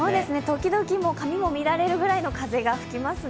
時々髪も乱れるくらいの風が吹きますね。